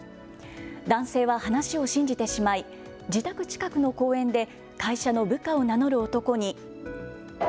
男性は話を信じてしまい自宅近くの公園で会社の部下を名乗る男に。